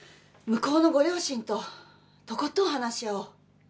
向こうのご両親ととことん話し合おう。